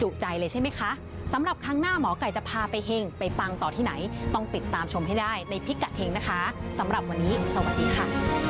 พี่กะเทงนะคะสำหรับวันนี้สวัสดีค่ะ